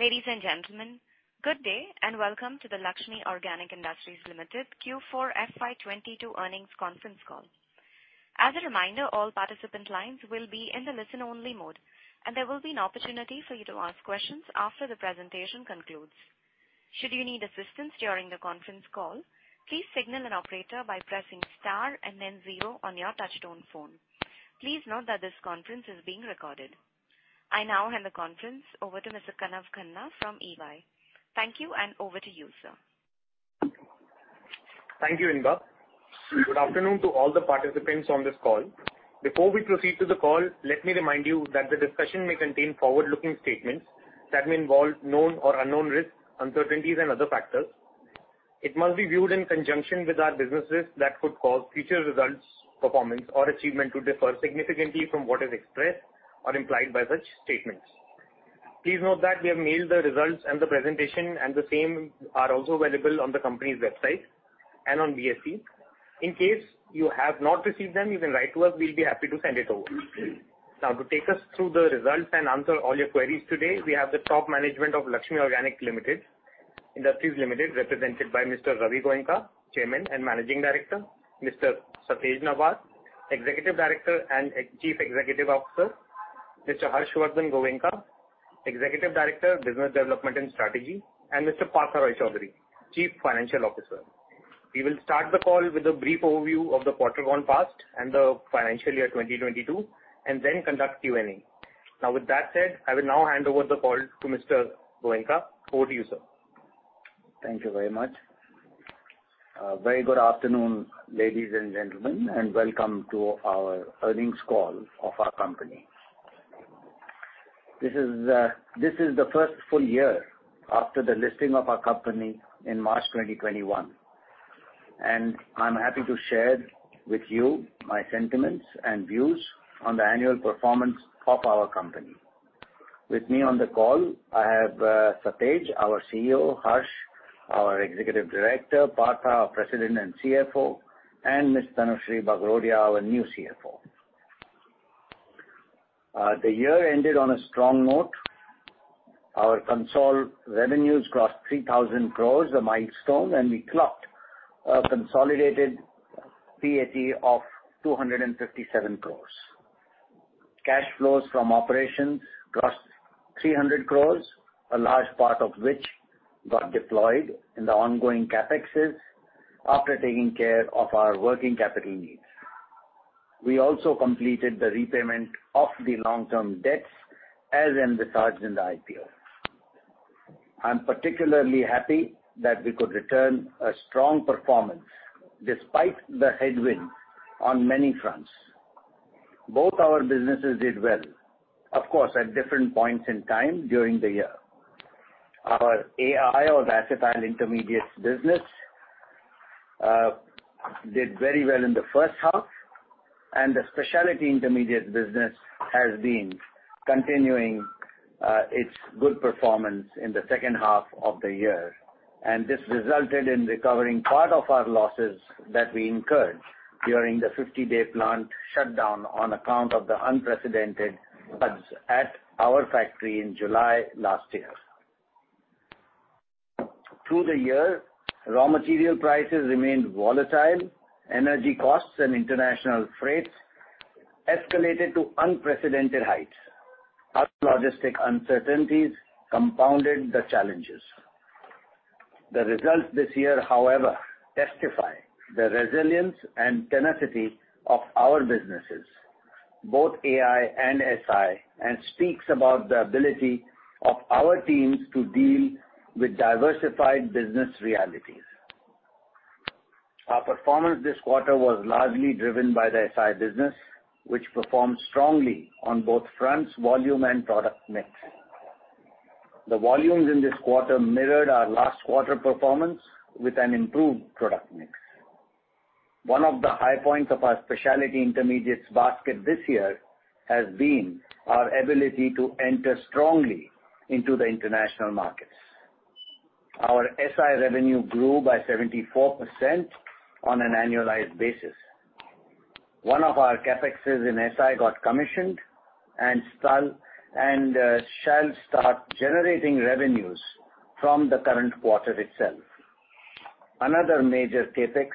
Ladies and gentlemen, good day and welcome to the Laxmi Organic Industries Limited Q4 FY22 earnings conference call. As a reminder, all participant lines will be in the listen-only mode, and there will be an opportunity for you to ask questions after the presentation concludes. Should you need assistance during the conference call, please signal an operator by pressing star and then zero on your touchtone phone. Please note that this conference is being recorded. I now hand the conference over to Mr. Kanav Khanna from EY. Thank you, and over to you, sir. Thank you, Inga. Good afternoon to all the participants on this call. Before we proceed to the call, let me remind you that the discussion may contain forward-looking statements that may involve known or unknown risks, uncertainties and other factors. It must be viewed in conjunction with our businesses that could cause future results, performance or achievement to differ significantly from what is expressed or implied by such statements. Please note that we have mailed the results and the presentation, and the same are also available on the company's website and on BSE. In case you have not received them, you can write to us. We'll be happy to send it over. Now, to take us through the results and answer all your queries today, we have the top management of Laxmi Organic Industries Limited, represented by Mr. Ravi Goenka, Chairman and Managing Director. Mr. Satej Nabar, Executive Director and Chief Executive Officer. Mr. Harshvardhan Goenka, Executive Director, Business Development and Strategy. Mr. Partha Roy Chowdhury, Chief Financial Officer. We will start the call with a brief overview of the quarter gone past and the financial year 2022, and then conduct Q&A. Now, with that said, I will now hand over the call to Mr. Goenka. Over to you, sir. Thank you very much. Very good afternoon, ladies and gentlemen, and welcome to our earnings call of our company. This is the first full year after the listing of our company in March 2021, and I'm happy to share with you my sentiments and views on the annual performance of our company. With me on the call, I have Satej, our CEO, Harsh, our Executive Director, Partha, our President and CFO, and Miss Tanushree Bagrodia, our new CFO. The year ended on a strong note. Our consolidated revenues crossed 3,000 crore, a milestone, and we clocked a consolidated PAT of 257 crore. Cash flows from operations crossed 300 crore, a large part of which got deployed in the ongoing CapEx after taking care of our working capital needs. We also completed the repayment of the long-term debts as envisaged in the IPO. I'm particularly happy that we could return a strong performance despite the headwind on many fronts. Both our businesses did well, of course, at different points in time during the year. Our AI, or the Acetyl Intermediates business, did very well in the H1, and the Specialty Intermediates business has been continuing its good performance in the H2 of the year. This resulted in recovering part of our losses that we incurred during the 50-day plant shutdown on account of the unprecedented floods at our factory in July last year. Through the year, raw material prices remained volatile. Energy costs and international freights escalated to unprecedented heights. Other logistic uncertainties compounded the challenges. The results this year, however, testify the resilience and tenacity of our businesses, both AI and SI, and speaks about the ability of our teams to deal with diversified business realities. Our performance this quarter was largely driven by the SI business, which performed strongly on both fronts, volume and product mix. The volumes in this quarter mirrored our last quarter performance with an improved product mix. One of the high points of our Specialty Intermediates basket this year has been our ability to enter strongly into the international markets. Our SI revenue grew by 74% on an annualized basis. One of our CapExes in SI got commissioned and shall start generating revenues from the current quarter itself. Another major CapEx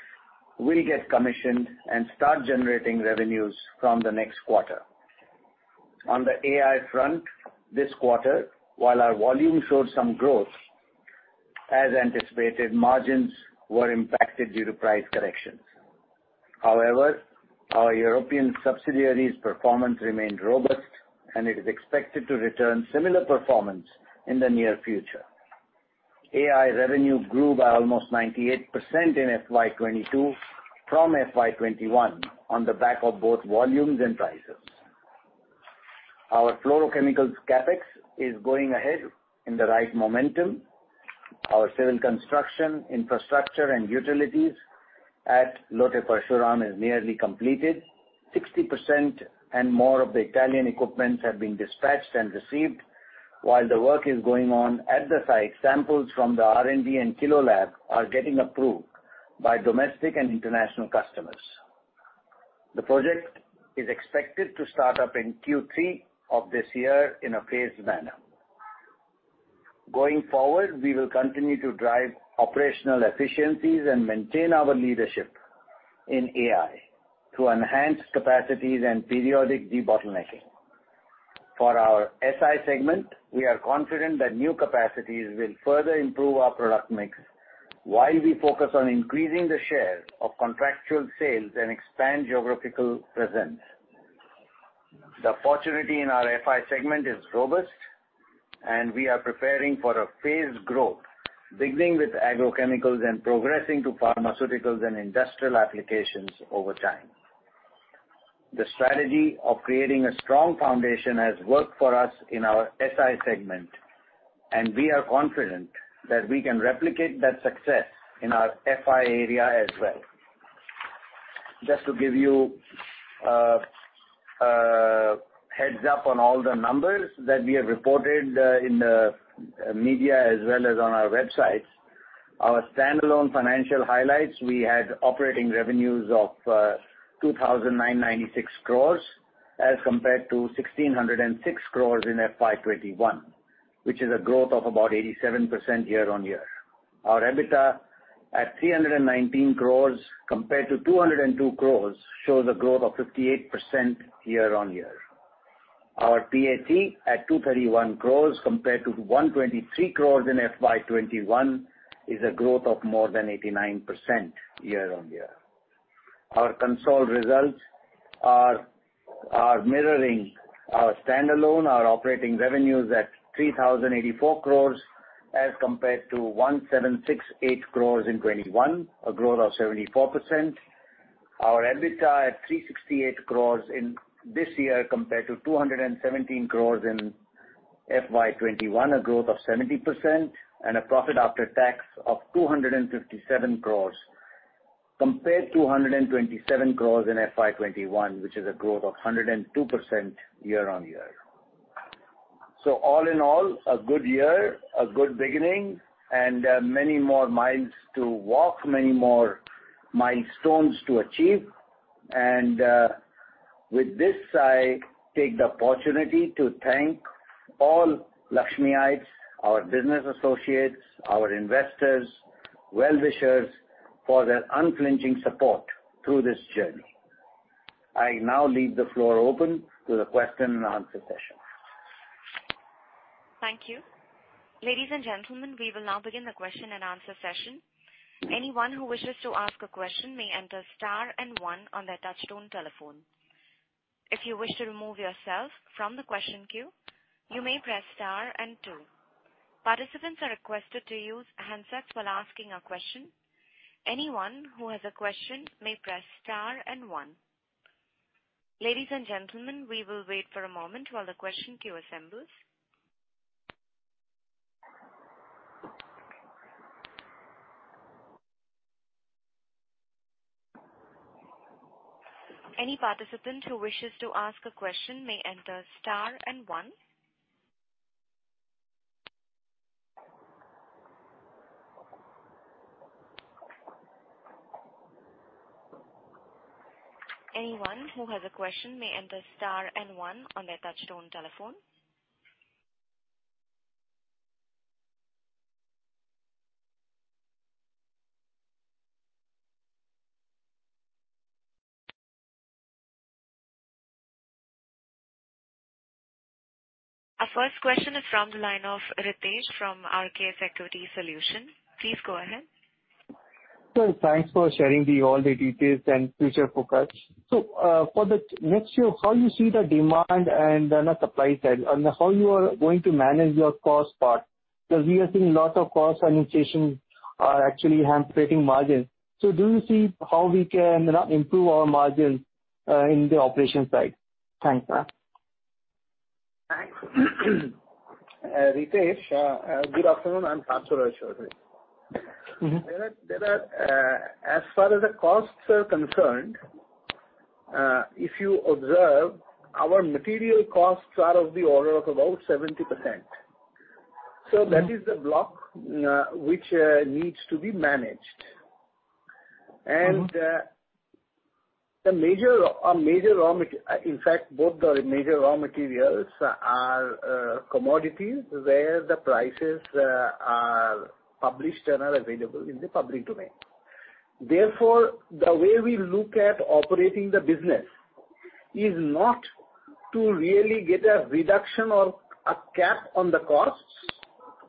will get commissioned and start generating revenues from the next quarter. On the AI front this quarter, while our volume showed some growth, as anticipated, margins were impacted due to price corrections. However, our European subsidiary's performance remained robust, and it is expected to return similar performance in the near future. AI revenue grew by almost 98% in FY22 from FY21 on the back of both volumes and prices. Our Fluorochemicals CapEx is going ahead in the right momentum. Our civil construction, infrastructure and utilities at Lote Parshuram is nearly completed. 60% and more of the Italian equipment have been dispatched and received while the work is going on at the site. Samples from the R&D and Kilo Lab are getting approved by domestic and international customers. The project is expected to start up in Q3 of this year in a phased manner. Going forward, we will continue to drive operational efficiencies and maintain our leadership in AI through enhanced capacities and periodic debottlenecking. For our SI segment, we are confident that new capacities will further improve our product mix while we focus on increasing the share of contractual sales and expand geographical presence. The opportunity in our FI segment is robust, and we are preparing for a phased growth, beginning with agrochemicals and progressing to pharmaceuticals and industrial applications over time. The strategy of creating a strong foundation has worked for us in our SI segment, and we are confident that we can replicate that success in our FI area as well. Just to give you a heads up on all the numbers that we have reported in the media as well as on our websites. Our standalone financial highlights, we had operating revenues of 2,996 crores as compared to 1,606 crores in FY21, which is a growth of about 87% year-on-year. Our EBITDA at 319 crores compared to 202 crores shows a growth of 58% year-on-year. Our PAT at 231 crores compared to 123 crores in FY21 is a growth of more than 89% year-on-year. Our consolidated results are mirroring our standalone. Our operating revenues at 3,084 crores as compared to 1,768 crores in FY21, a growth of 74%. Our EBITDA at 368 crores in this year compared to 217 crores in FY21, a growth of 70%. A profit after tax of 257 crores compared to 127 crores in FY 2021, which is a growth of 102% year-on-year. All in all, a good year, a good beginning, and many more miles to walk, many more milestones to achieve. With this, I take the opportunity to thank all Laxmiites, our business associates, our investors, well-wishers for their unflinching support through this journey. I now leave the floor open to the question and answer session. Thank you. Ladies and gentlemen, we will now begin the question and answer session. Anyone who wishes to ask a question may enter star and one on their touchtone telephone. If you wish to remove yourself from the question queue, you may press star and two. Participants are requested to use handsets while asking a question. Anyone who has a question may press star and one. Ladies and gentlemen, we will wait for a moment while the question queue assembles. Any participant who wishes to ask a question may enter star and one. Anyone who has a question may enter star and one on their touchtone telephone. Our first question is from the line of Ritesh from RKS Equity Solutions. Please go ahead. Sir, thanks for sharing all the details and future focus. For the next year, how you see the demand and the supply side, and how you are going to manage your cost part? Because we are seeing lots of cost inflation are actually hampering margin. Do you see how we can improve our margin, in the operation side? Thanks, ma'am. Thanks. Ritesh, good afternoon. I'm Partha Roy Chowdhury. Mm-hmm. There are, as far as the costs are concerned, if you observe, our material costs are of the order of about 70%. Mm-hmm. That is the block, which needs to be managed. Mm-hmm. In fact, both the major raw materials are commodities where the prices are published and are available in the public domain. Therefore, the way we look at operating the business is not to really get a reduction or a cap on the costs,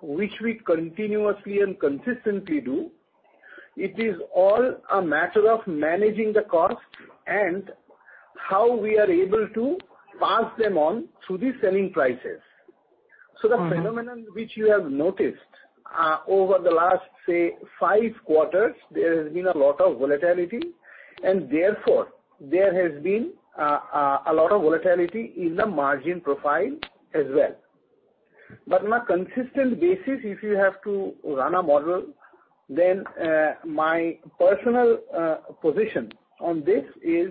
which we continuously and consistently do. It is all a matter of managing the cost and how we are able to pass them on through the selling prices. Mm-hmm. The phenomenon which you have noticed, over the last, say, five quarters, there has been a lot of volatility, and therefore, there has been a lot of volatility in the margin profile as well. On a consistent basis, if you have to run a model, then my personal position on this is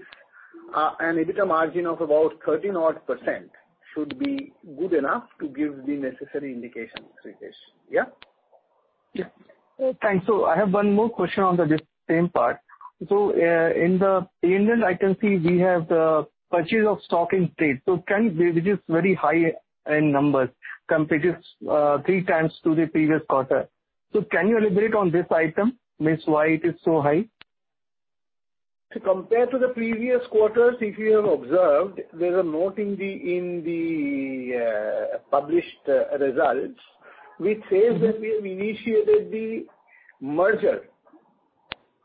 an EBITDA margin of about 13 odd percent should be good enough to give the necessary indication, Ritesh. Yeah? Yeah. Thanks. I have one more question on the same part. In the P&L, I can see we have the purchase of stock in trade. Which is very high in numbers compared to three times the previous quarter. Can you elaborate on this item, I mean why it is so high? To compare to the previous quarters, if you have observed, there's a note in the published results which says that we have initiated the merger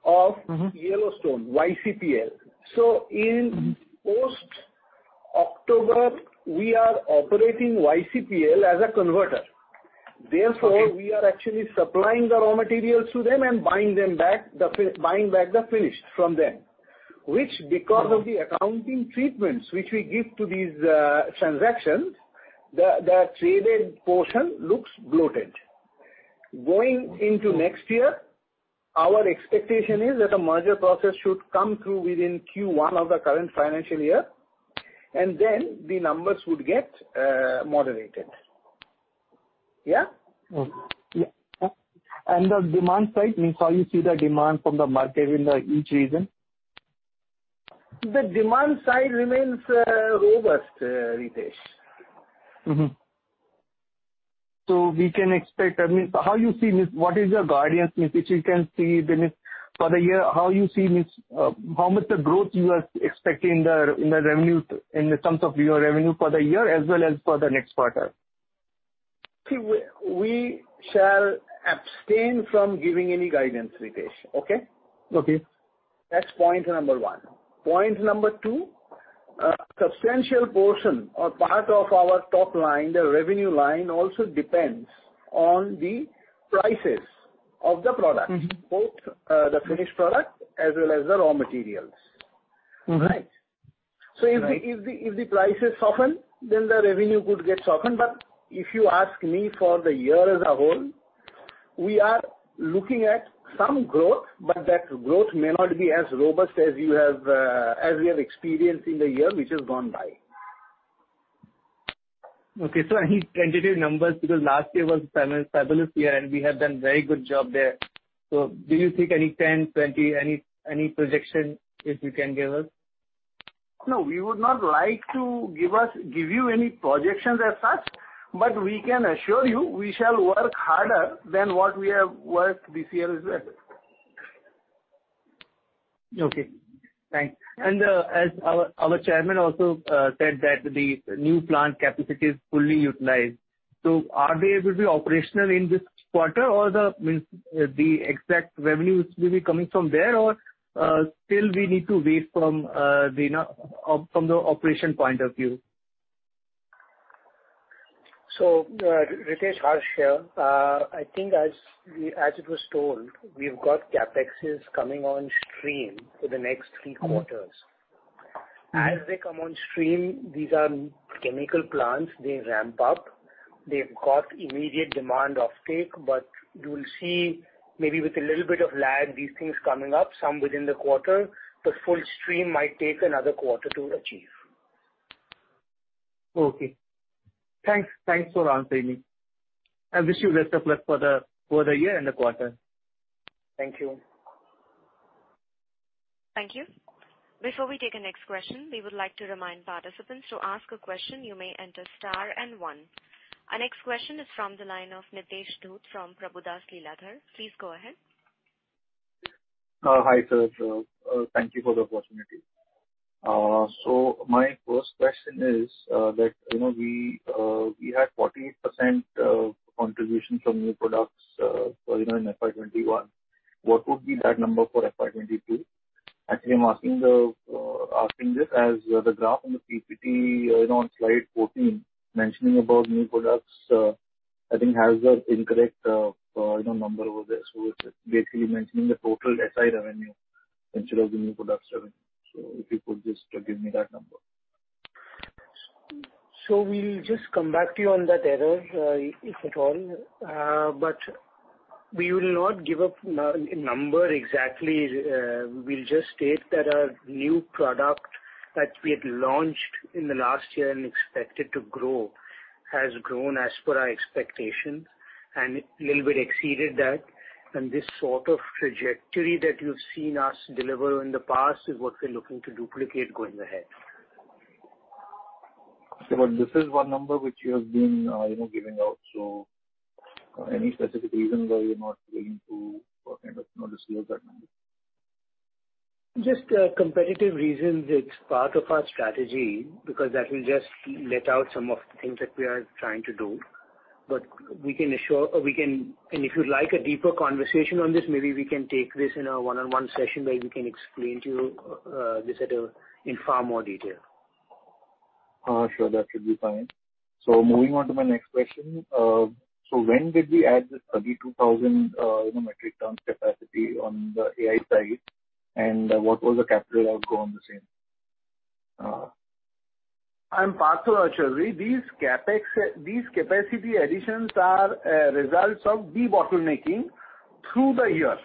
of. Mm-hmm. Yellowstone, YCPL. Mm-hmm. Post-October we are operating YCPL as a converter. Okay. Therefore, we are actually supplying the raw materials to them and buying back the finished from them. Which because of the accounting treatments which we give to these transactions, the traded portion looks bloated. Going into next year, our expectation is that the merger process should come through within Q1 of the current financial year, and then the numbers would get moderated. Yeah? Okay. Yeah. On the demand side, I mean, how do you see the demand from the market in each region? The demand side remains robust, Ritesh. Mm-hmm. We can expect, I mean, how you see this, what is your guidance means, if you can see the mix for the year, how you see means, how much the growth you are expecting the, in the revenue, in the terms of your revenue for the year as well as for the next quarter? See, we shall abstain from giving any guidance, Ritesh. Okay? Okay. That's point number one. Point number two, substantial portion or part of our top line, the revenue line also depends on the prices of the product. Mm-hmm. Both the finished product as well as the raw materials. Mm-hmm. Right? Right. If the prices soften, then the revenue could get softened. If you ask me for the year as a whole, we are looking at some growth, but that growth may not be as robust as you have, as we have experienced in the year which has gone by. Okay. Any tentative numbers, because last year was fabulous year, and we have done very good job there. Do you think any 10, 20, any projection if you can give us? No, we would not like to give you any projections as such, but we can assure you we shall work harder than what we have worked this year as well. Okay, thanks. As our chairman also said that the new plant capacity is fully utilized. Are they able to be operational in this quarter or does that mean the exact revenues will be coming from there or still we need to wait from the operation point of view? Ritesh, Harsh here. I think as we, as it was told, we've got CapExes coming on stream for the next three quarters. Mm-hmm. As they come on stream, these are chemical plants. They ramp up. They've got immediate demand offtake, but you will see maybe with a little bit of lag these things coming up, some within the quarter. The full stream might take another quarter to achieve. Okay. Thanks. Thanks for answering me. I wish you best of luck for the year and the quarter. Thank you. Thank you. Before we take the next question, we would like to remind participants to ask a question, you may enter star and one. Our next question is from the line of Nitesh Dhut from Prabhudas Lilladher. Please go ahead. Hi, sir. Thank you for the opportunity. My first question is that you know we had 48% contribution from new products you know in FY21. What would be that number for FY22? Actually, I'm asking this as the graph in the PPT you know on slide 14 mentioning about new products I think has the incorrect you know number over there. It's basically mentioning the total SI revenue instead of the new products revenue. If you could just give me that number. We'll just come back to you on that error, if at all. We will not give a number exactly. We'll just state that our new product that we had launched in the last year and expected to grow has grown as per our expectations and little bit exceeded that. This sort of trajectory that you've seen us deliver in the past is what we're looking to duplicate going ahead. Okay. This is one number which you have been, you know, giving out. Any specific reason why you're not willing to, kind of not disclose that number? Just competitive reasons. It's part of our strategy because that will just let out some of the things that we are trying to do. We can assure. If you'd like a deeper conversation on this, maybe we can take this in a one-on-one session where we can explain to you this in far more detail. Sure. That should be fine. Moving on to my next question. When did we add this 32,000, you know, metric ton capacity on the AI side? And what was the capital outlay on the same? I'm Partha Roy Chowdhury. These CapEx, these capacity additions are results of debottlenecking through the year.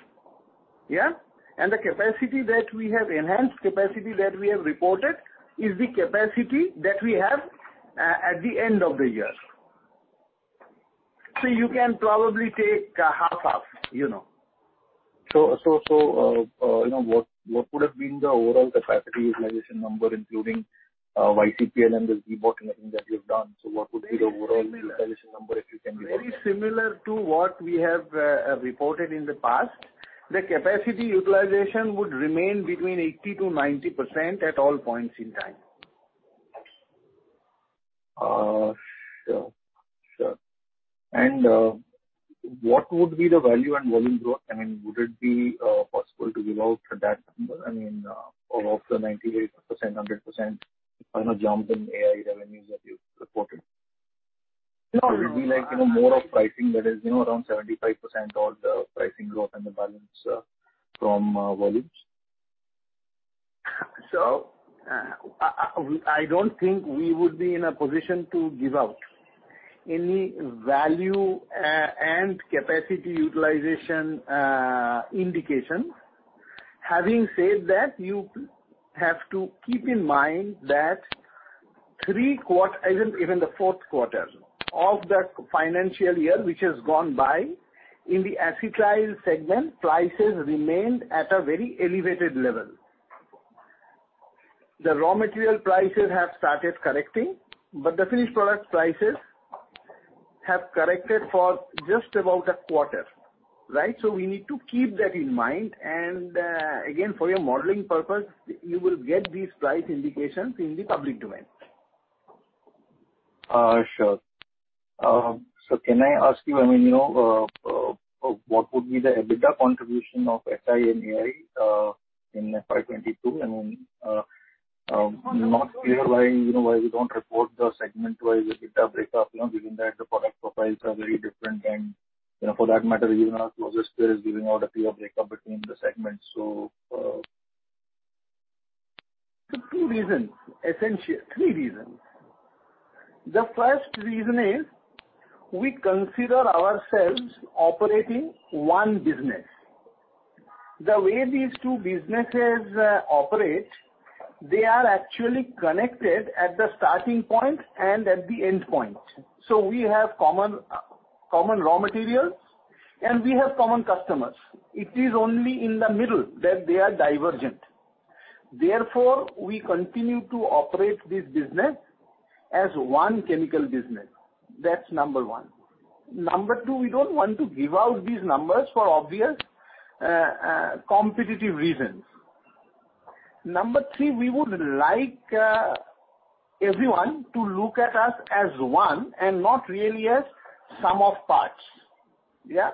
Yeah. The capacity that we have enhanced, capacity that we have reported is the capacity that we have at the end of the year. You can probably take half-half, you know. What would have been the overall capacity utilization number, including YCPL and this debottlenecking that you've done? What would be the overall- Very similar. Utilization number, if you can give us? Very similar to what we have reported in the past. The capacity utilization would remain between 80%-90% at all points in time. Sure. What would be the value and volume growth? I mean, would it be possible to give out that number? I mean, of the 98%, 100% jump in AI revenues that you've reported. No. Would it be like, you know, more of pricing that is, you know, around 75% all the pricing growth and the balance from volumes? I don't think we would be in a position to give out any value and capacity utilization indication. Having said that, you have to keep in mind that even the fourth quarter of the financial year, which has gone by in the Acetyl segment, prices remained at a very elevated level. The raw material prices have started correcting, but the finished product prices have corrected for just about a quarter, right? We need to keep that in mind. Again, for your modeling purpose, you will get these price indications in the public domain. Sure. So can I ask you, I mean, you know, what would be the EBITDA contribution of SI and AI in FY22? I mean, not clear why, you know, why we don't report the segment-wide EBITDA breakup, you know, given that the product profiles are very different and, you know, for that matter, even our closest peers giving out a clear breakup between the segments. So... Two reasons. Three reasons. The first reason is we consider ourselves operating one business. The way these two businesses, operate, they are actually connected at the starting point and at the end point. So we have common raw materials, and we have common customers. It is only in the middle that they are divergent. Therefore, we continue to operate this business as one chemical business. That's number one. Number two, we don't want to give out these numbers for obvious, competitive reasons. Number three, we would like, everyone to look at us as one and not really as sum of parts. Yeah.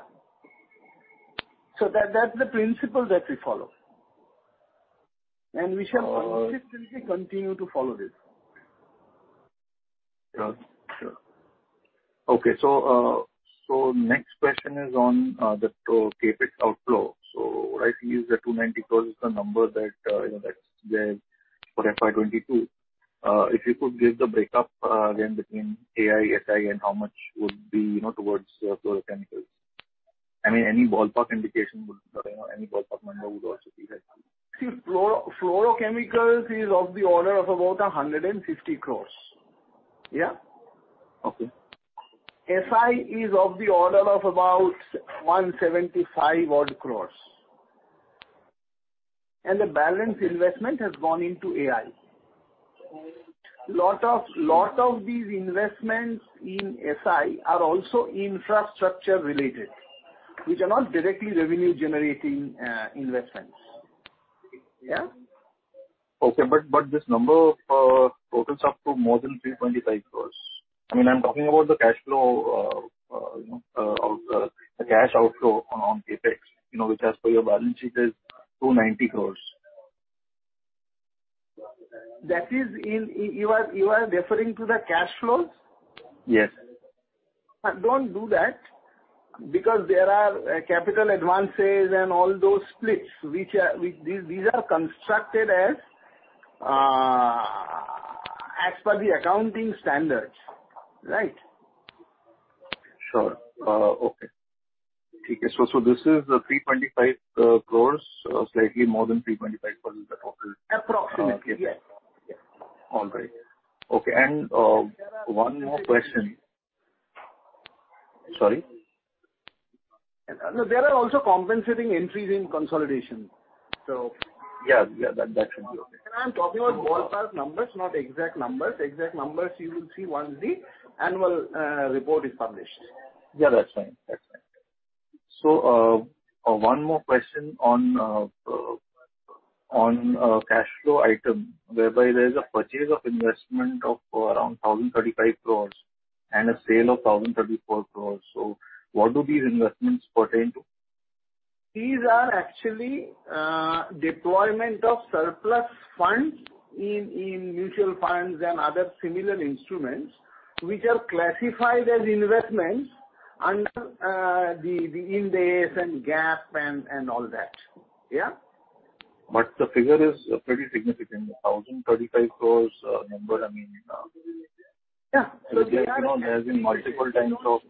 So that's the principle that we follow. We shall consistently continue to follow this. Sure, sure. Okay. Next question is on the CapEx outflow. What I see is that 290 crores is the number that, you know, that's there for FY22. If you could give the breakup again between AI, SI and how much would be, you know, towards Fluorochemicals. I mean, any ballpark indication would do. You know, any ballpark number would also be helpful. See, Fluorochemicals is of the order of about 150 crores. Yeah. Okay. SI is of the order of about 175 odd crores. The balance investment has gone into AI. Lot of these investments in SI are also infrastructure related, which are not directly revenue generating investments. Okay. This number totals up to more than 325 crore. I mean, I'm talking about the cash flow, you know, of the cash outflow on CapEx, you know, which as per your balance sheet is 290 crore. You are referring to the cash flows? Yes. Don't do that because there are capital advances and all those splits which are constructed as per the accounting standards, right? Sure. Okay. This is 325 crores, slightly more than 325 crores is the total. Approximately, yes. All right. Okay. One more question. Sorry? No, there are also compensating entries in consolidation. Yeah, yeah. That should be okay. I'm talking about ballpark numbers, not exact numbers. Exact numbers you will see once the annual report is published. Yeah, that's fine. That's fine. One more question on cash flow item, whereby there is a purchase of investment of around 1,035 crores and a sale of 1,034 crores. What do these investments pertain to? These are actually deployment of surplus funds in mutual funds and other similar instruments which are classified as investments under the Ind AS and GAAP and all that. Yeah. The figure is pretty significant. 1,035 crore number, I mean, Yeah. You know, there's been multiple times of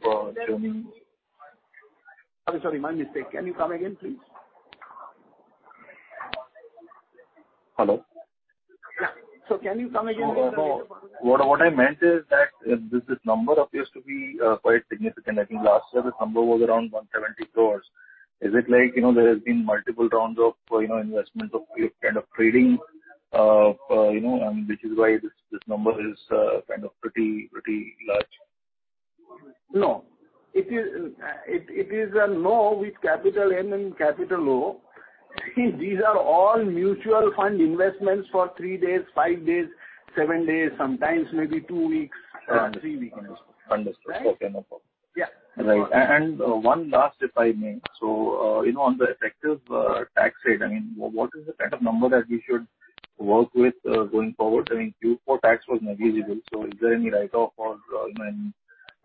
churning. Sorry, my mistake. Can you come again, please? Hello. Yeah. Can you come again? No, no. What I meant is that this number appears to be quite significant. I think last year this number was around 170 crores. Is it like, you know, there has been multiple rounds of, you know, investment or kind of trading, you know, and which is why this number is kind of pretty large. No. It is a no with capital N and capital O. These are all mutual fund investments for three days, five days, seven days, sometimes maybe two weeks. Understood. Three weeks. Understood. Okay, no problem. Yeah. Right. One last, if I may. You know, on the effective tax rate, I mean, what is the kind of number that we should work with, going forward? I mean, Q4 tax was negligible, so is there any write-off or, you know,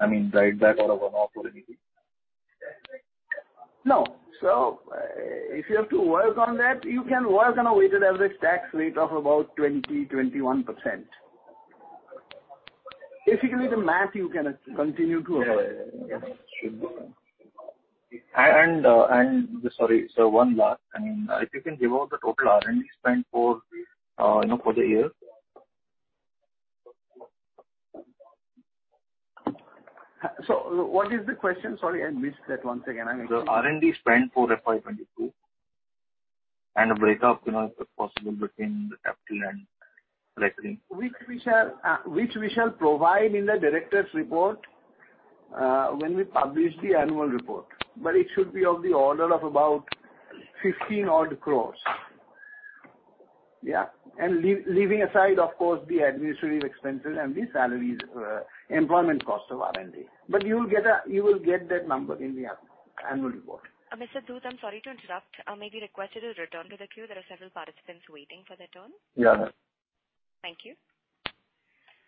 I mean, write back or one-off or anything? No. If you have to work on that, you can work on a weighted average tax rate of about 20%-21%. If you give me the math, you can continue to Yeah, yeah. Sorry, sir, one last. I mean, if you can give out the total R&D spend for, you know, for the year? What is the question? Sorry, I missed that. Once again. The R&D spend for FY22 and a breakdown, you know, if possible, between the capital and recurring. Which we shall provide in the directors' report, when we publish the annual report. It should be of the order of about 15 odd crore. Leaving aside, of course, the administrative expenses and the salaries, employment costs of R&D. You will get that number in the annual report. Mr. Dhoot, I'm sorry to interrupt. I may be requested to return to the queue. There are several participants waiting for their turn. Yeah. Thank you.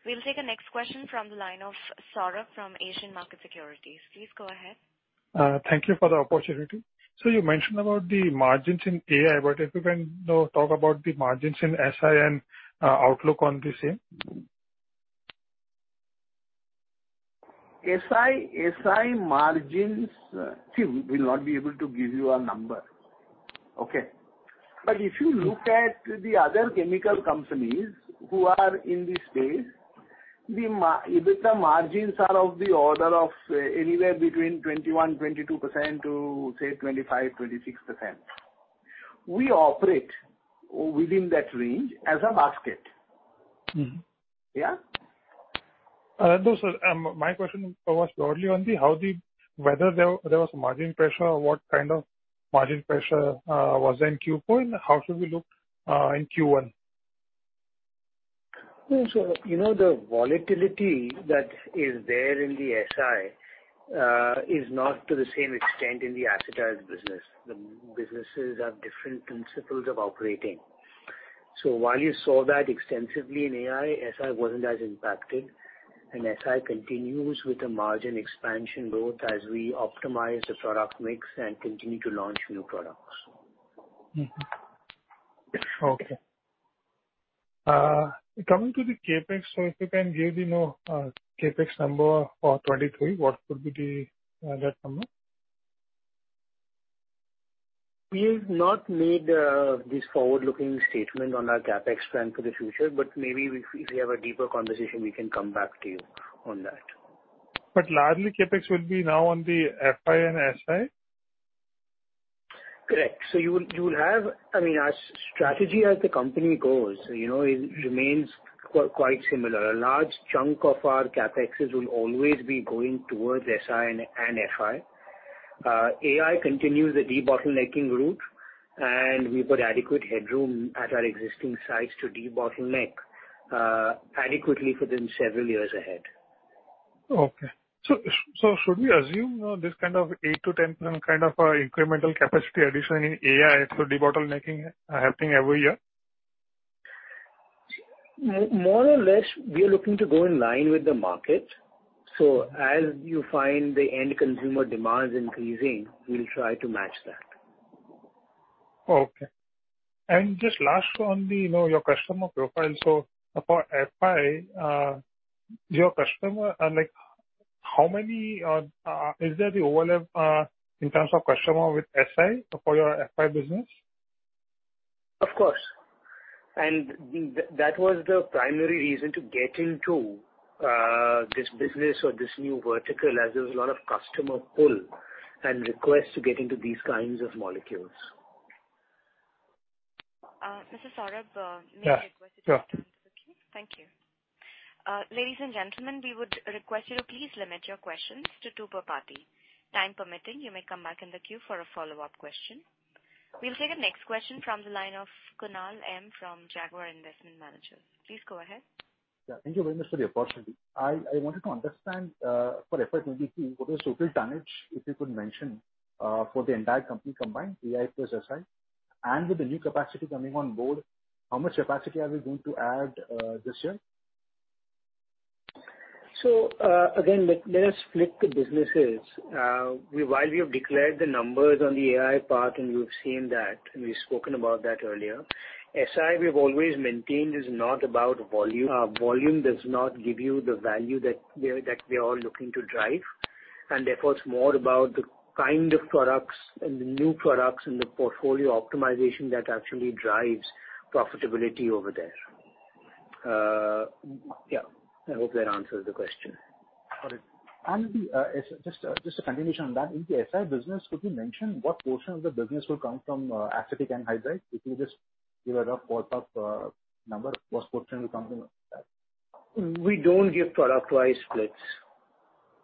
We'll take a next question from the line of Saurabh from Asian Market Securities. Please go ahead. Thank you for the opportunity. You mentioned about the margins in AI. If you can now talk about the margins in SI and outlook on the same. SI margins, see, we will not be able to give you a number. Okay? If you look at the other chemical companies who are in this space, the margins are of the order of anywhere between 21%-22% to, say, 25%-26%. We operate within that range as a basket. Mm-hmm. Yeah? No, sir. My question was broadly on whether there was margin pressure or what kind of margin pressure was there in Q4 and how should we look in Q1? You know, the volatility that is there in the SI is not to the same extent in the acetates business. The businesses have different principles of operating. While you saw that extensively in AI, SI wasn't as impacted, and SI continues with the margin expansion growth as we optimize the product mix and continue to launch new products. Mm-hmm. Okay. Coming to the CapEx, if you can give the, you know, CapEx number for 2023, what would be the, that number? We have not made this forward-looking statement on our CapEx plan for the future, but maybe if we have a deeper conversation, we can come back to you on that. Largely CapEx will be now on the FI and SI? Correct. You will have I mean, our strategy as the company goes, you know, it remains quite similar. A large chunk of our CapExes will always be going towards SI and FI. AI continues the debottlenecking route, and we've got adequate headroom at our existing sites to debottleneck adequately for them several years ahead. Okay. Should we assume this kind of eight-10 kind of incremental capacity addition in AI through debottlenecking happening every year? More or less, we are looking to go in line with the market. As you find the end consumer demand increasing, we'll try to match that. Okay. Just last on the, you know, your customer profile. For FI, your customer, like how many, is there the overlap, in terms of customer with SI for your FI business? Of course. That was the primary reason to get into this business or this new vertical as there was a lot of customer pull and requests to get into these kinds of molecules. Mr. Saurabh, Yeah. may request you to return to the queue. Thank you. Ladies and gentlemen, we would request you to please limit your questions to two per party. Time permitting, you may come back in the queue for a follow-up question. We'll take the next question from the line of Kunal M from Jaguar Investment Managers. Please go ahead. Yeah. Thank you very much for the opportunity. I wanted to understand, for FY23, what was the total tonnage, if you could mention, for the entire company combined, AI plus SI? With the new capacity coming on board, this year? Again, let us split the businesses. While we have declared the numbers on the AI part, and we've seen that, and we've spoken about that earlier. SI, we've always maintained, is not about volume. Volume does not give you the value that they are looking to drive. Therefore, it's more about the kind of products and the new products in the portfolio optimization that actually drives profitability over there. Yeah, I hope that answers the question. Got it. Just a continuation on that. In the SI business, could you mention what portion of the business will come from acetic anhydride? If you just give a rough ballpark number, what portion will come from that? We don't give product-wise splits.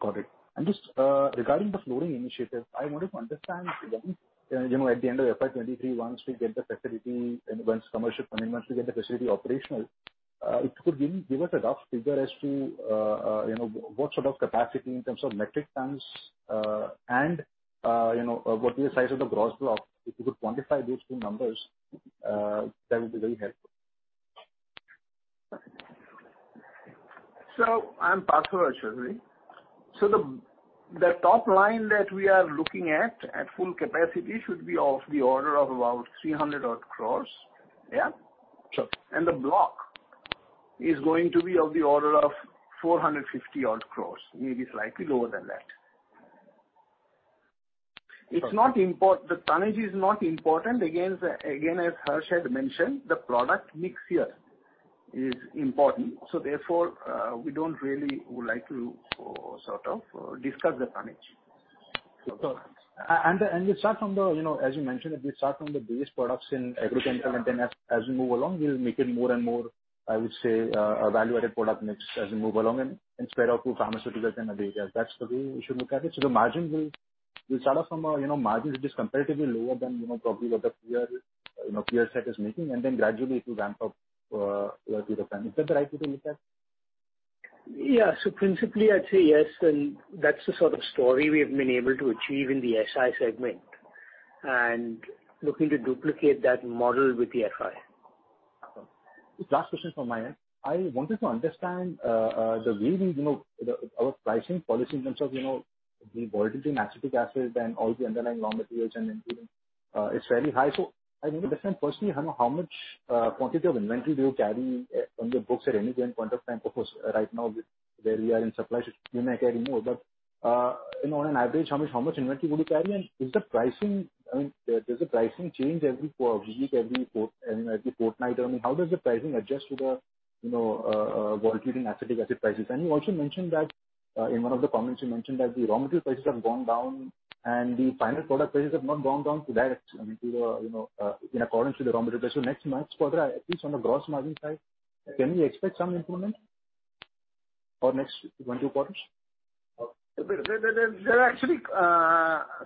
Got it. Just regarding the fluorine initiative, I wanted to understand when, you know, at the end of FY23, once commercial, and once we get the facility operational, if you could give us a rough figure as to, you know, what sort of capacity in terms of metric tons, and, you know, what is the size of the gross block. If you could quantify those two numbers, that would be very helpful. I'm Partha Roy Chowdhury. The top line that we are looking at full capacity should be of the order of about 300 odd crore. Yeah. Sure. The block is going to be of the order of 450 odd crores, maybe slightly lower than that. Okay. The tonnage is not important. Again, as Harsh had mentioned, the product mix here is important. Therefore, we don't really would like to sort of discuss the tonnage. We start from the, you know, as you mentioned, we start from the base products in agriculture, and then as we move along, we'll make it more and more, I would say, a value-added product mix as we move along and expand out to pharmaceuticals and other areas. That's the way we should look at it. The margin will start off from a, you know, margin which is comparatively lower than, you know, probably what the peer, you know, peer set is making. Then gradually it will ramp up over time. Is that the right way to look at it? Yeah. Principally, I'd say yes, and that's the sort of story we have been able to achieve in the SI segment, and looking to duplicate that model with the FI. Last question from my end. I wanted to understand the way we, you know, our pricing policy in terms of, you know, the volatility in acetic acid and all the underlying raw materials and including is fairly high. I want to understand firstly how much quantity of inventory do you carry on your books at any given point of time? Of course, right now where we are in supply, so you may carry more. On an average, how much inventory would you carry? And is the pricing, I mean, does the pricing change every week, every fortnight? I mean, how does the pricing adjust to the, you know, volatility in acetic acid prices? You also mentioned that, in one of the comments, you mentioned that the raw material prices have gone down and the final product prices have not gone down to that, I mean, to the, you know, in accordance with the raw material. Next quarter, at least on the gross margin side, can we expect some improvement for next one, two quarters? There are actually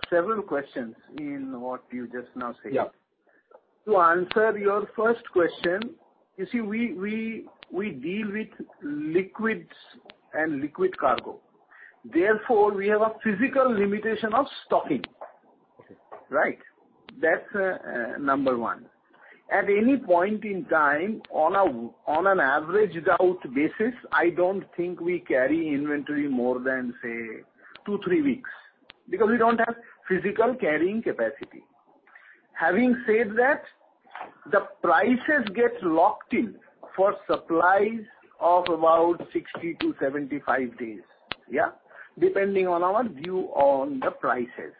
several questions in what you just now said. Yeah. To answer your first question, you see, we deal with liquids and liquid cargo, therefore we have a physical limitation of stocking. Okay. Right? That's number one. At any point in time, on an averaged out basis, I don't think we carry inventory more than say two-three weeks because we don't have physical carrying capacity. Having said that, the prices get locked in for supplies of about 60-75 days, yeah. Depending on our view on the prices.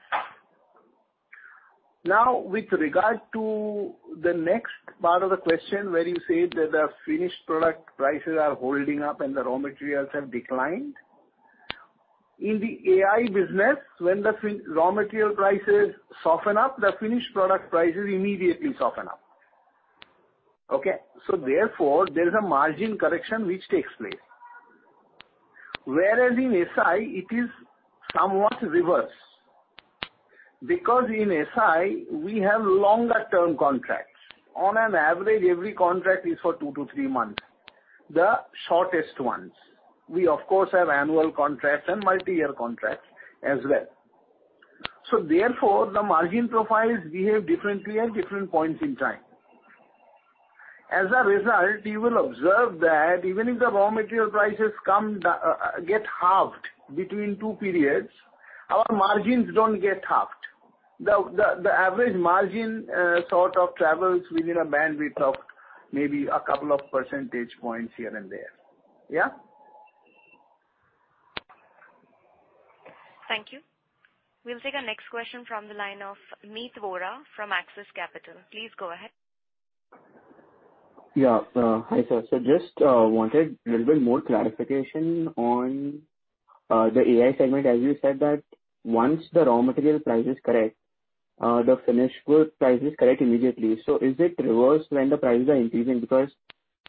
Now, with regard to the next part of the question, where you say that the finished product prices are holding up and the raw materials have declined. In the AI business, when the raw material prices soften up, the finished product prices immediately soften up. Okay? So therefore, there is a margin correction which takes place. Whereas in SI it is somewhat reverse, because in SI we have longer term contracts. On an average, every contract is for two-three months, the shortest ones. We of course have annual contracts and multi-year contracts as well. Therefore, the margin profiles behave differently at different points in time. As a result, you will observe that even if the raw material prices get halved between two periods, our margins don't get halved. The average margin sort of travels within a bandwidth of maybe a couple of percentage points here and there. Yeah. Thank you. We'll take our next question from the line of Meet Vora from Axis Capital. Please go ahead. Yeah. Hi, sir. Just wanted a little bit more clarification on the AI segment. As you said that once the raw material price is correct, the finished goods prices correct immediately. Is it reversed when the prices are increasing? Because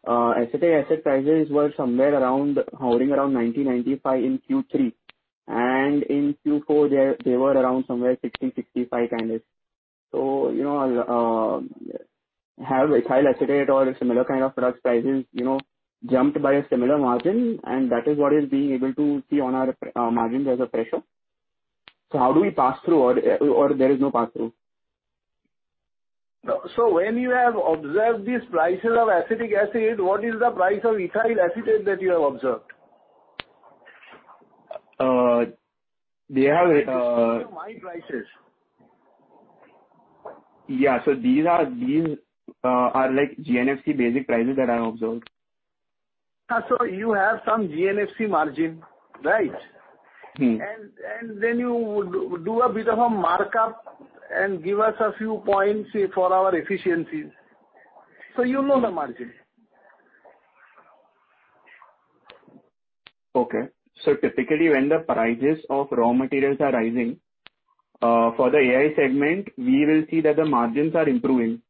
acetic acid prices were somewhere around, hovering around 90, 95 in Q3, and in Q4 they were around somewhere 60, 65 kind of. You know, have ethyl acetate or similar kind of product prices, you know, jumped by a similar margin, and that is what is being able to see on our margins as a pressure. How do we pass through or there is no pass through? When you have observed these prices of acetic acid, what is the price of ethyl acetate that you have observed? They have. These are my prices. Yeah. These are like GNFC basic prices that I observed. Yeah. You have some GNFC margin, right? Mm-hmm. then you do a bit of a markup and give us a few points for our efficiencies. You know the margin. Okay. Typically when the prices of raw materials are rising, for the AI segment, we will see that the margins are improving.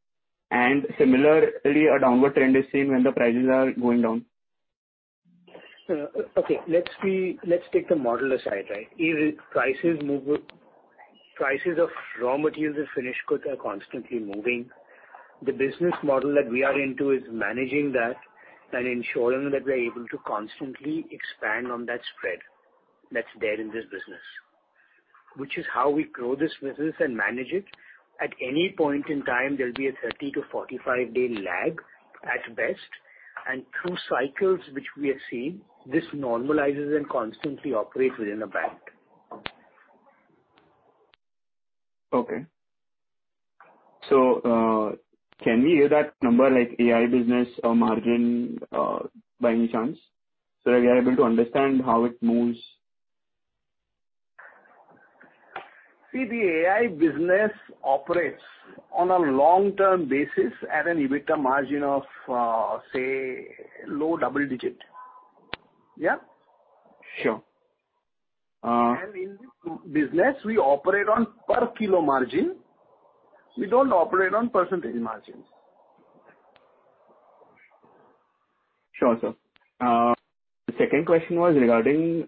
Similarly, a downward trend is seen when the prices are going down. Okay, let's see. Let's take the model aside, right? If prices move with... Prices of raw materials and finished goods are constantly moving. The business model that we are into is managing that and ensuring that we're able to constantly expand on that spread that's there in this business. Which is how we grow this business and manage it. At any point in time, there'll be a 30-45 day lag at best. Through cycles which we have seen, this normalizes and constantly operates within a band. Can we hear that number like AI business or margin by any chance so that we are able to understand how it moves? See, the AI business operates on a long-term basis at an EBITDA margin of, say, low double-digit. Yeah? Sure. In this business, we operate on per kilo margin. We don't operate on percentage margins. Sure, sir. The second question was regarding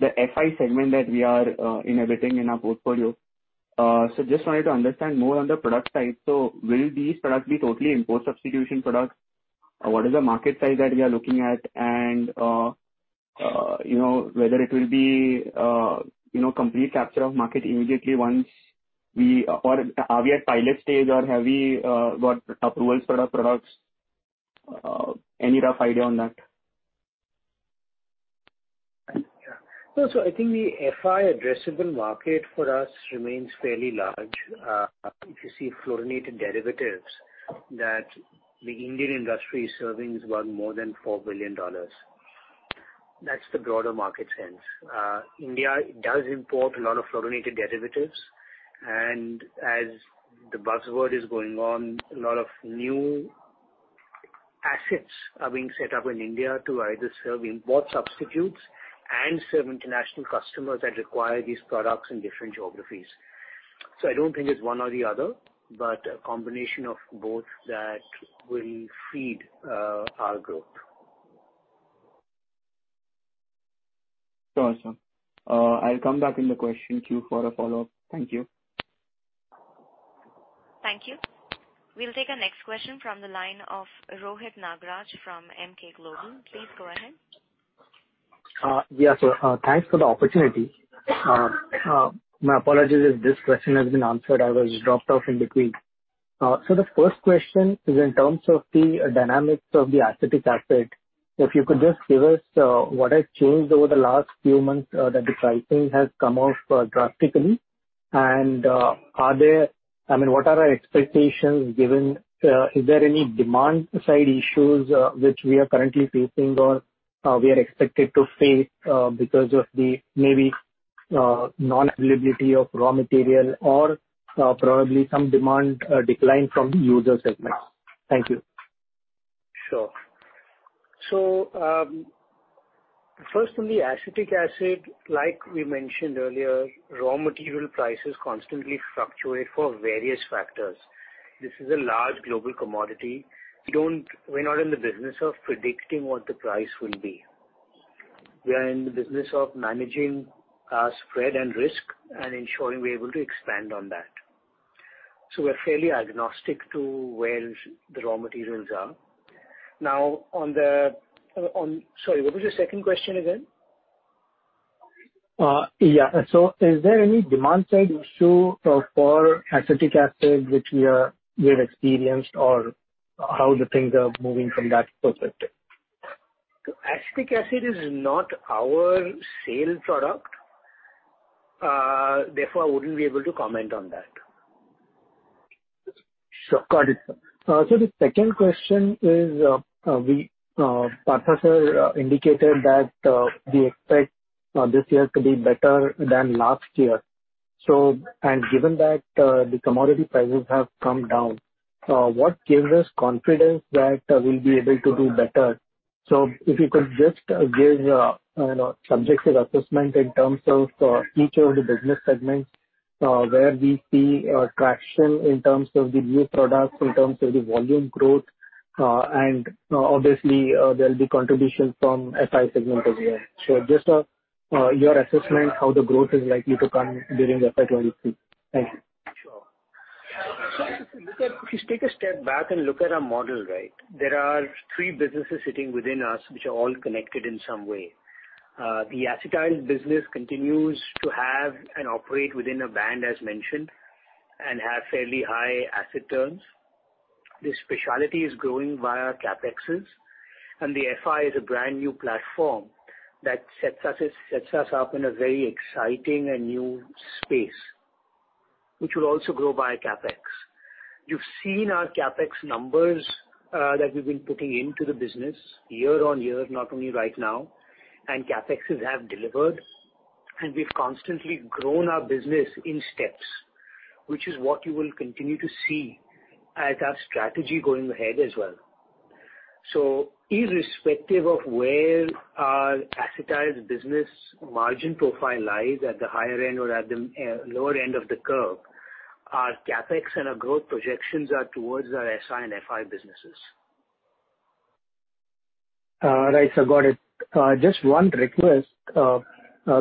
the FI segment that we are adding to our portfolio. Just wanted to understand more on the product side. Will these products be totally import substitution products? What is the market size that we are looking at? And, you know, whether it will be, you know, complete capture of market immediately once we, or are we at pilot stage or have we got approvals for our products? Any rough idea on that? Yeah. I think the FI addressable market for us remains fairly large. If you see fluorinated derivatives that the Indian industry is serving is worth more than $4 billion. That's the broader market sense. India does import a lot of fluorinated derivatives. As the buzzword is going on, a lot of new assets are being set up in India to either serve import substitutes and serve international customers that require these products in different geographies. I don't think it's one or the other, but a combination of both that will feed our growth. Sure, sir. I'll come back in the question queue for a follow-up. Thank you. Thank you. We'll take our next question from the line of Rohit Nagraj from Emkay Global. Please go ahead. Yeah, thanks for the opportunity. My apologies if this question has been answered. I was dropped off in between. The first question is in terms of the dynamics of the acetic acid. If you could just give us what has changed over the last few months that the pricing has come off drastically. Are there, I mean, what are our expectations given, is there any demand side issues which we are currently facing or we are expected to face because of the maybe non-availability of raw material or probably some demand decline from user segment? Thank you. Sure. First on the acetic acid, like we mentioned earlier, raw material prices constantly fluctuate for various factors. This is a large global commodity. We're not in the business of predicting what the price will be. We are in the business of managing our spread and risk and ensuring we're able to expand on that. We're fairly agnostic to where the raw materials are. Now, sorry, what was your second question again? Is there any demand side issue for acetic acid which we have experienced or how the things are moving from that perspective? Acetic acid is not our sold product, therefore I wouldn't be able to comment on that. Sure. Got it. The second question is, Partha indicated that we expect this year to be better than last year. Given that the commodity prices have come down, what gives us confidence that we'll be able to do better? If you could just give you know subjective assessment in terms of each of the business segments where we see traction in terms of the new products, in terms of the volume growth, and obviously there'll be contribution from FI segment as well. Just your assessment how the growth is likely to come during the FY23. Thank you. Sure. If you take a step back and look at our model, right, there are three businesses sitting within us which are all connected in some way. The Acetyl business continues to have and operate within a band as mentioned, and have fairly high asset turns. The Specialty is growing via CapExes, and the FI is a brand new platform that sets us up in a very exciting and new space, which will also grow via CapEx. You've seen our CapEx numbers, that we've been putting into the business year on year, not only right now. CapExes have delivered. We've constantly grown our business in steps, which is what you will continue to see as our strategy going ahead as well. Irrespective of where our acetyl business margin profile lies at the higher end or at the lower end of the curve, our CapEx and our growth projections are towards our SI and FI businesses. Right. Got it. Just one request.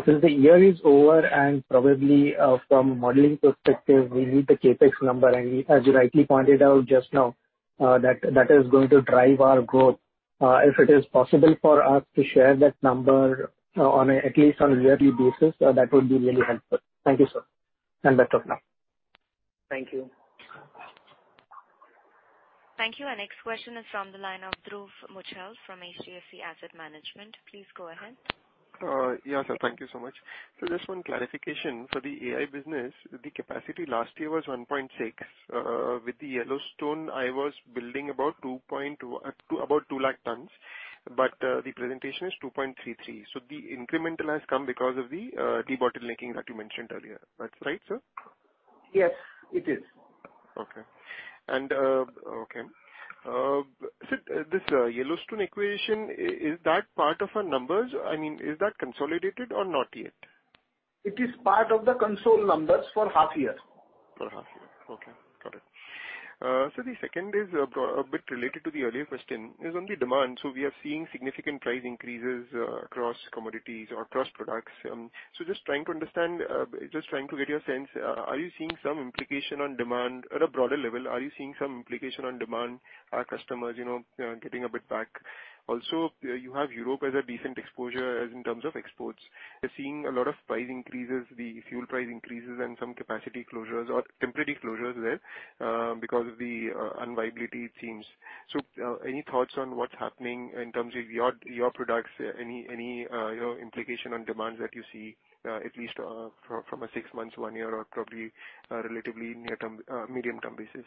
Since the year is over, and probably from a modeling perspective, we need the CapEx number. As you rightly pointed out just now, that is going to drive our growth. If it is possible for us to share that number on a, at least on a yearly basis, that would be really helpful. Thank you, sir. That's all for now. Thank you. Thank you. Our next question is from the line of Dhruv Muchhal from HDFC Asset Management. Please go ahead. Yeah, sir. Thank you so much. Just one clarification. For the AI business, the capacity last year was 1.6. With the Yellowstone, I was building about 2 lakh tons. The presentation is 2.33. The incremental has come because of the debottlenecking that you mentioned earlier. That's right, sir? Yes, it is. Sir, this Yellowstone acquisition, is that part of our numbers? I mean, is that consolidated or not yet? It is part of the consolidated numbers for half year. For half year. Okay, got it. The second is a bit related to the earlier question, is on the demand. We are seeing significant price increases across commodities or across products. Just trying to understand, just trying to get your sense, are you seeing some implication on demand at a broader level? Are you seeing some implication on demand, our customers, you know, getting a bit back? Also, you have Europe as a decent exposure as in terms of exports. We're seeing a lot of price increases, the fuel price increases and some capacity closures or temporary closures there, because of the unviability it seems. Any thoughts on what's happening in terms of your products? Any, you know, implication on demands that you see, at least, from a six months, one year, or probably, relatively near-term, medium-term basis?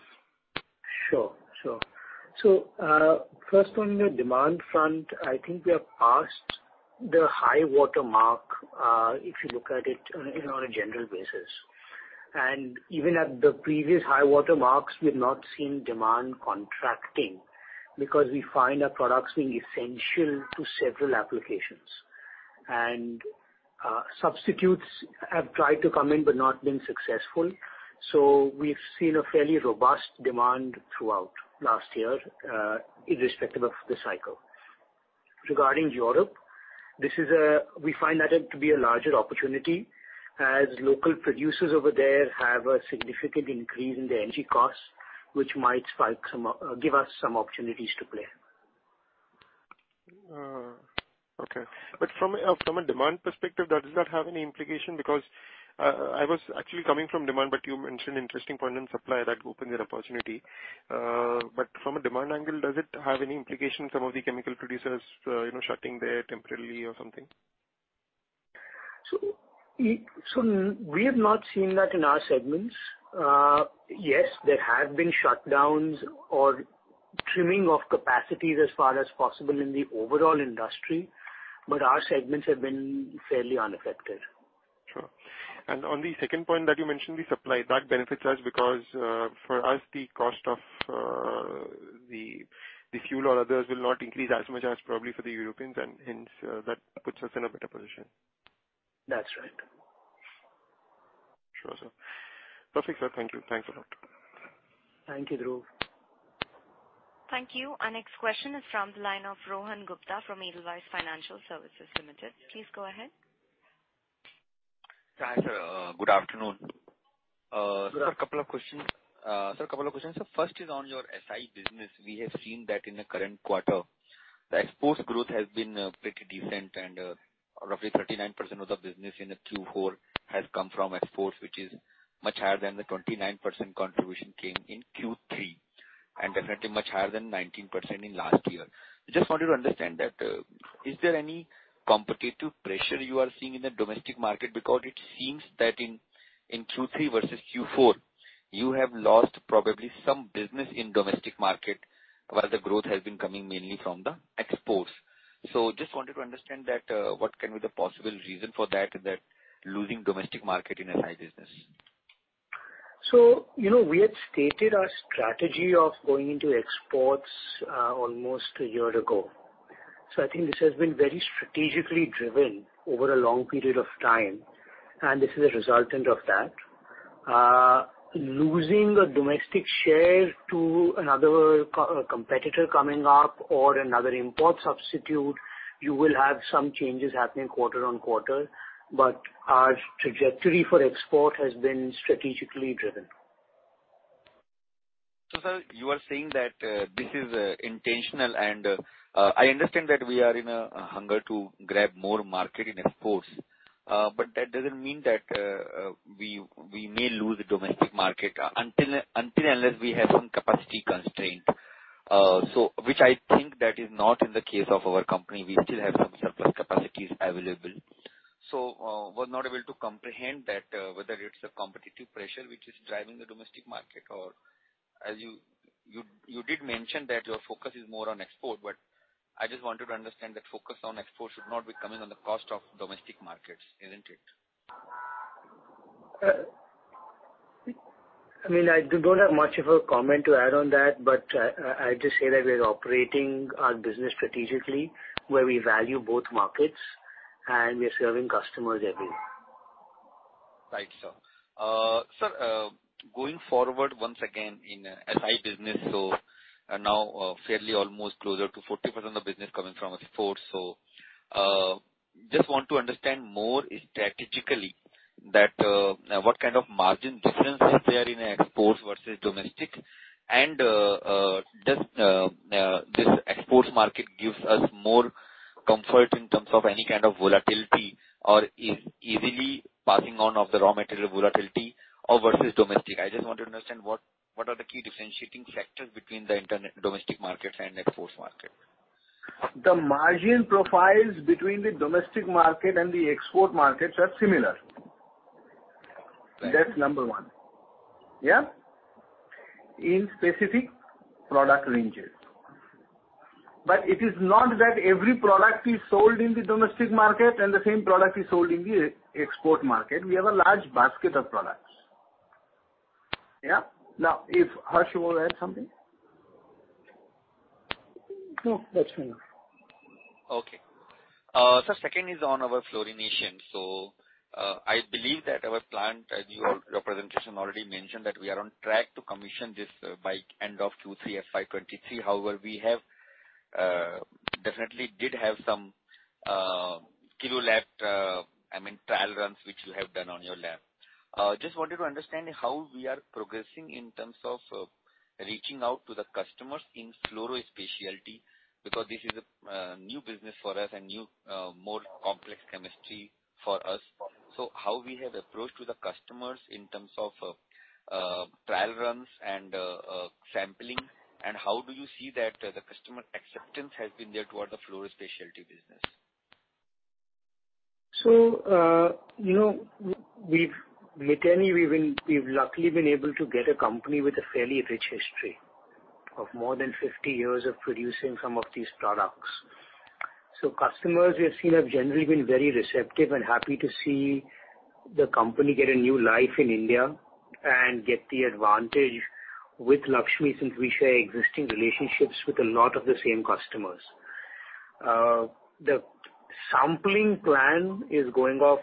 Sure. First on the demand front, I think we are past the high watermark, if you look at it on a general basis. Even at the previous high watermarks, we've not seen demand contracting because we find our products being essential to several applications. Substitutes have tried to come in but not been successful. We've seen a fairly robust demand throughout last year, irrespective of the cycle. Regarding Europe, we find that it to be a larger opportunity as local producers over there have a significant increase in their energy costs, which might give us some opportunities to play. Okay. From a demand perspective, does that have any implication? Because I was actually coming from demand, but you mentioned interesting point on supply that opened an opportunity. From a demand angle, does it have any implications, some of the chemical producers, you know, shutting there temporarily or something? We have not seen that in our segments. Yes, there have been shutdowns or trimming of capacities as far as possible in the overall industry, but our segments have been fairly unaffected. Sure. On the second point that you mentioned, the supply, that benefits us because, for us, the cost of the fuel or others will not increase as much as probably for the Europeans and hence, that puts us in a better position. That's right. Sure, sir. Perfect, sir. Thank you. Thanks a lot. Thank you, Dhruv. Thank you. Our next question is from the line of Rohan Gupta from Edelweiss Financial Services Limited. Please go ahead. Hi, sir. Good afternoon. Good afternoon. Sir, a couple of questions. First is on your SI business. We have seen that in the current quarter, the exports growth has been pretty decent, and roughly 39% of the business in the Q4 has come from exports, which is much higher than the 29% contribution came in Q3, and definitely much higher than 19% in last year. I just wanted to understand that, is there any competitive pressure you are seeing in the domestic market? Because it seems that in Q3 versus Q4, you have lost probably some business in domestic market, while the growth has been coming mainly from the exports. Just wanted to understand that, what can be the possible reason for that losing domestic market in SI business. You know, we had stated our strategy of going into exports almost a year ago. I think this has been very strategically driven over a long period of time, and this is a resultant of that. Losing a domestic share to another competitor coming up or another import substitute, you will have some changes happening quarter on quarter. Our trajectory for export has been strategically driven. Sir, you are saying that this is intentional and I understand that we are in a hurry to grab more market in exports. But that doesn't mean that we may lose the domestic market or unless we have some capacity constraints. I think that is not in the case of our company. We still have some surplus capacities available. We're not able to comprehend that whether it's a competitive pressure which is driving the domestic market or as you did mention that your focus is more on exports, but I just wanted to understand that focus on exports should not be coming at the cost of domestic markets, isn't it? I mean, I don't have much of a comment to add on that, but I just say that we're operating our business strategically, where we value both markets and we're serving customers everywhere. Right, sir. Going forward once again in SI business, now fairly almost closer to 40% of business coming from exports. Just want to understand more strategically what kind of margin difference is there in exports versus domestic? Does this export market give us more comfort in terms of any kind of volatility or easily passing on of the raw material volatility or versus domestic? I just want to understand what are the key differentiating factors between the domestic market and exports market. The margin profiles between the domestic market and the export markets are similar. Right. That's number one. Yeah. In specific product ranges. It is not that every product is sold in the domestic market and the same product is sold in the export market. We have a large basket of products. Yeah. Now, if Harsh you wanna add something. No, that's enough. Okay. Sir, second is on our fluorination. I believe that our plant, as your presentation already mentioned, that we are on track to commission this by end of Q3 FY23. However, we have definitely did have some Kilo Lab trial runs which you have done on your lab. Just wanted to understand how we are progressing in terms of reaching out to the customers in fluoro specialty, because this is a new business for us, a new more complex chemistry for us. How we have approached to the customers in terms of trial runs and sampling, and how do you see that the customer acceptance has been there toward the fluoro specialty business. You know, we've, with Miteni, luckily been able to get a company with a fairly rich history of more than 50 years of producing some of these products. Customers we have seen have generally been very receptive and happy to see the company get a new life in India and get the advantage with Laxmi since we share existing relationships with a lot of the same customers. The sampling plan is going on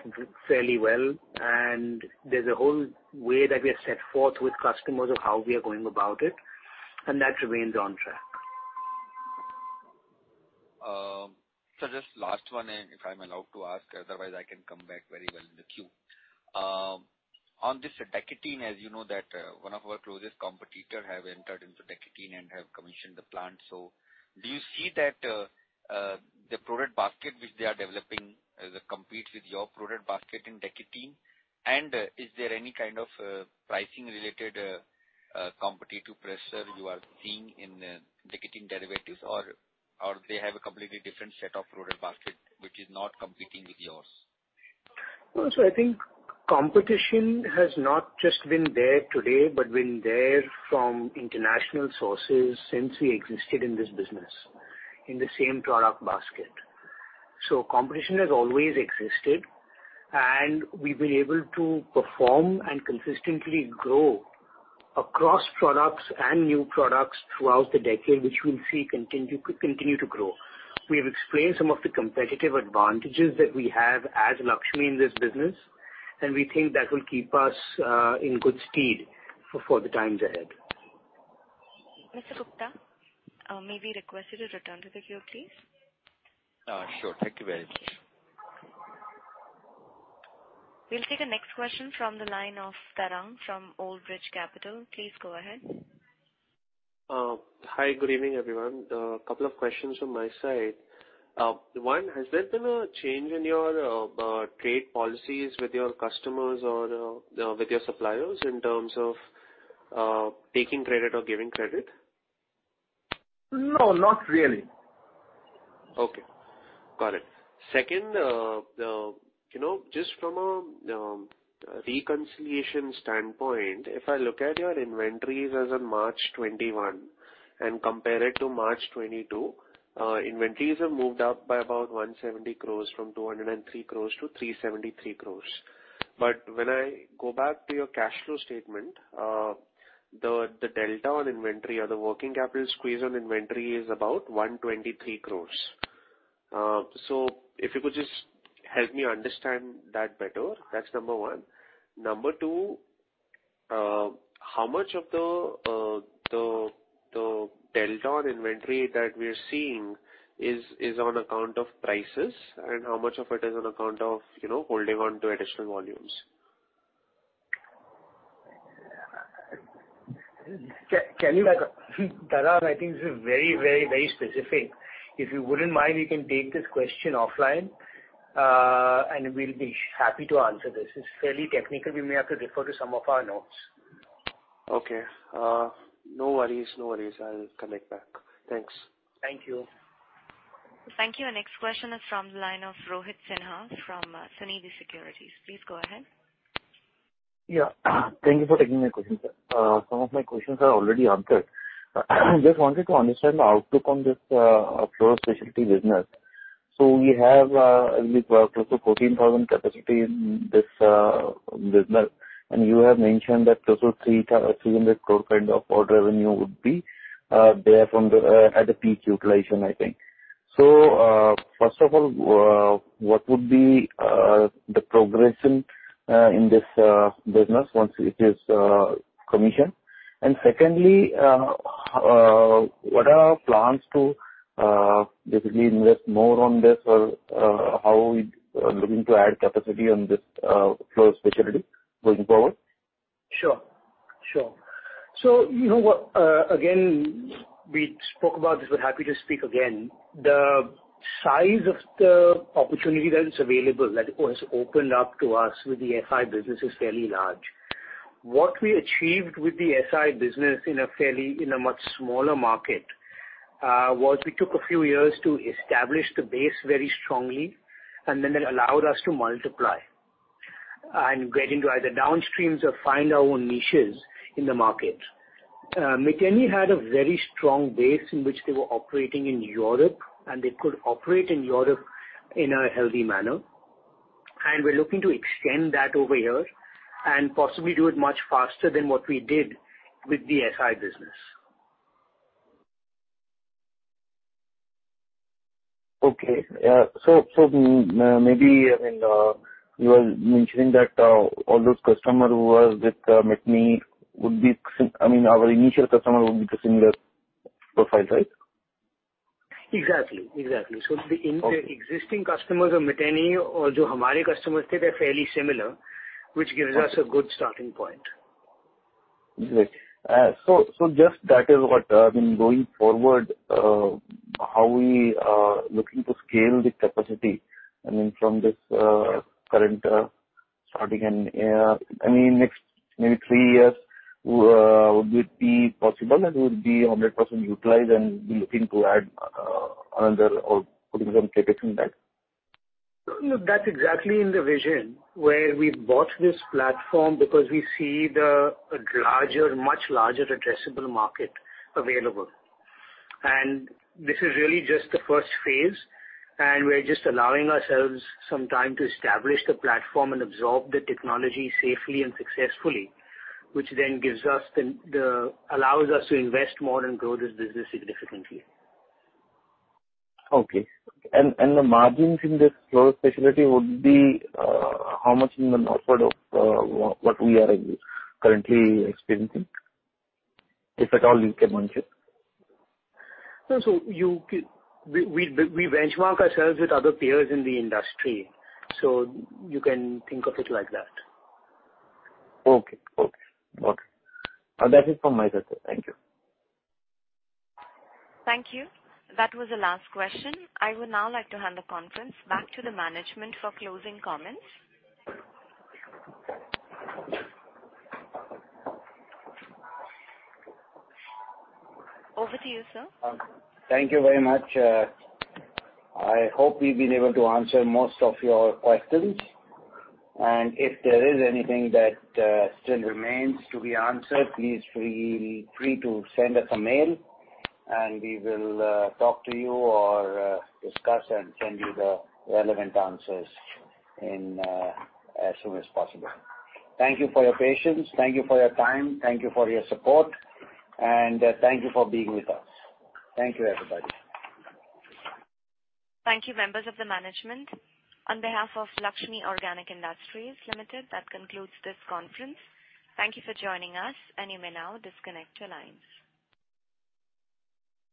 fairly well, and there's a whole way that we have set forth with customers of how we are going about it, and that remains on track. Just last one, and if I'm allowed to ask, otherwise I can come back very well in the queue. On this diketene, as you know that, one of our closest competitor have entered into diketene and have commissioned the plant. Do you see that, the product basket which they are developing, competes with your product basket in diketene? Is there any kind of, pricing related, competitive pressure you are seeing in diketene derivatives or they have a completely different set of product basket which is not competing with yours? Well, I think competition has not just been there today, but been there from international sources since we existed in this business, in the same product basket. Competition has always existed, and we've been able to perform and consistently grow across products and new products throughout the decade, which we'll see continue to grow. We have explained some of the competitive advantages that we have as Laxmi in this business, and we think that will keep us in good stead for the times ahead. Mr. Gupta, may we request you to return to the queue, please? Sure. Thank you very much. We'll take the next question from the line of Tarang from Old Bridge Capital. Please go ahead. Hi, good evening, everyone. A couple of questions from my side. One, has there been a change in your trade policies with your customers or with your suppliers in terms of taking credit or giving credit? No, not really. Okay, got it. Second, you know, just from a reconciliation standpoint, if I look at your inventories as of March 2021 and compare it to March 2022, inventories have moved up by about 170 crores from 203 crores to 373 crores. But when I go back to your cash flow statement, the delta on inventory or the working capital squeeze on inventory is about 123 crores. So if you could just help me understand that better. That's number one. Number two, how much of the delta on inventory that we are seeing is on account of prices and how much of it is on account of, you know, holding on to additional volumes. Tarang, I think this is very specific. If you wouldn't mind, you can take this question offline, and we'll be happy to answer this. It's fairly technical. We may have to refer to some of our notes. Okay. No worries. No worries. I'll connect back. Thanks. Thank you. Thank you. Next question is from the line of Rohit Sinha from Sunidhi Securities. Please go ahead. Yeah. Thank you for taking my question, sir. Some of my questions are already answered. Just wanted to understand the outlook on this fluorospecialty business. We have, I believe, close to 14,000 capacity in this business. You have mentioned that close to 300 crore kind of revenue would be from this at the peak utilization, I think. First of all, what would be the progression in this business once it is commissioned? And secondly, what are our plans to basically invest more on this or how are we looking to add capacity on this fluorospecialty going forward? Sure. You know what, again, we spoke about this, but happy to speak again. The size of the opportunity that is available, that has opened up to us with the SI business is fairly large. What we achieved with the SI business in a much smaller market was we took a few years to establish the base very strongly, and then that allowed us to multiply and get into either downstreams or find our own niches in the market. Miteni had a very strong base in which they were operating in Europe, and they could operate in Europe in a healthy manner. We're looking to extend that over here and possibly do it much faster than what we did with the SI business. Maybe, I mean, you were mentioning that all those customer who was with Miteni, I mean, our initial customer would be the similar profile, right? Exactly. The in- Okay. The existing customers of Miteni or जो हमारे customers थे, they're fairly similar, which gives us a good starting point. Great. Just that is what, I mean, going forward, how we are looking to scale the capacity, I mean, from this current starting and, I mean, next maybe three years, would it be possible and would it be 100% utilized and be looking to add, another or putting some CapEx in that? No, that's exactly in the vision where we bought this platform because we see the larger, much larger addressable market available. This is really just the first phase, and we're just allowing ourselves some time to establish the platform and absorb the technology safely and successfully, which then allows us to invest more and grow this business significantly. Okay. The margins in this fluorospecialty would be how much in the north of what we are currently experiencing? If at all you can mention. No, we benchmark ourselves with other peers in the industry, so you can think of it like that. Okay. That is from my side, sir. Thank you. Thank you. That was the last question. I would now like to hand the conference back to the management for closing comments. Over to you, sir. Thank you very much. I hope we've been able to answer most of your questions. If there is anything that still remains to be answered, please feel free to send us a mail, and we will talk to you or discuss and send you the relevant answers in as soon as possible. Thank you for your patience. Thank you for your time. Thank you for your support, and thank you for being with us. Thank you, everybody. Thank you, members of the management. On behalf of Laxmi Organic Industries Limited, that concludes this conference. Thank you for joining us, and you may now disconnect your lines.